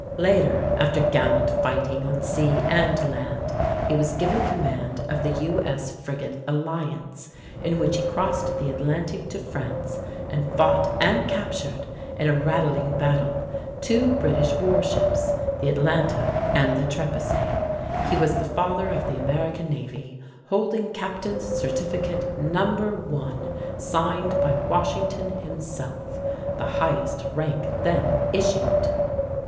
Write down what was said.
Later, after gallant fighting on sea and land, he was given command of the U.S. frigate Alliance, in which he crossed the Atlantic to France, and fought and captured in a rattling battle two British warships, the Atlanta and the Trepasay. He was the Father of the American navy, holding captain's certificate No. 1, signed by Washington himself the highest rank then issued.